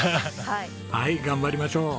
はい頑張りましょう！